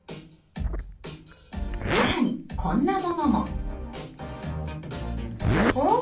更にこんなものも。ん？